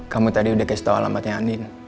kamu tadi udah kasih tau alamatnya andin